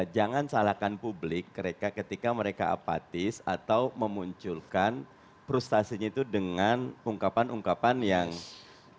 jangan salahkan publik mereka ketika mereka apatis atau memunculkan frustasinya itu dengan ungkapan ungkapan yang cukup